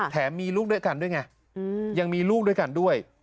มีลูกด้วยกันด้วยไงยังมีลูกด้วยกันด้วย